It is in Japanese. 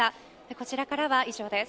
こちらからは以上です。